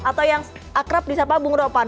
atau yang akrab di sapa bung ropan